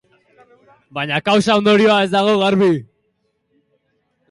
Baina kausa-ondorioa ez dago garbi.